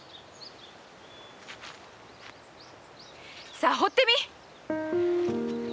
さあほってみい！